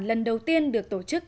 lần đầu tiên được tổ chức